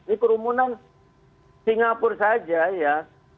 ini kerumunan singapura saja ya